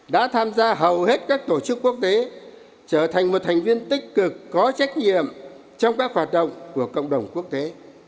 đã tham gia hầu hết các tổ chức quốc tế trở thành một thành viên tích cực có trách nhiệm trong các hoạt động của cộng đồng quốc tế